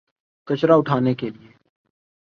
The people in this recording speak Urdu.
کچرا اٹھانے کے لیے۔